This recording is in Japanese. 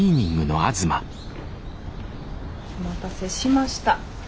お待たせしました。